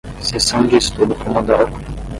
Sessão de estudo pomodoro